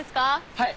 はい。